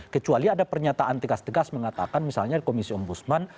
kecuali ada pernyataan tegas tekas mengatakan misalnya komisi om busman